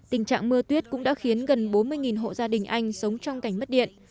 tình trạng mưa tuyết cũng đã khiến gần bốn mươi hộ gia đình anh sống trong cảnh mất điện